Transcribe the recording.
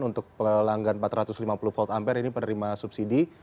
untuk pelanggan empat ratus lima puluh volt ampere ini penerima subsidi